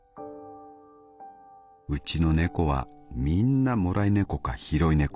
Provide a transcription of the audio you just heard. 「うちの猫はみんなもらい猫か拾い猫。